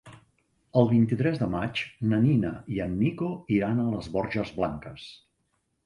El vint-i-tres de maig na Nina i en Nico iran a les Borges Blanques.